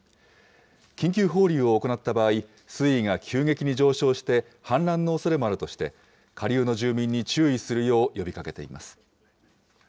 緊急放流を行った場合、水位が急激に上昇して、氾濫のおそれもあるとして、下流の住民に注意するよう呼びかけています。